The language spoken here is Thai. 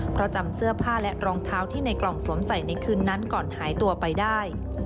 เพราะจำเสื้อผ้าและรองเท้าที่ในกล่องสวมใส่ในคืนนั้นก่อนหายตัวไปได้